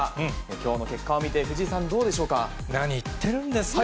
きょうの結果を見て、藤井さん、何言ってるんですか。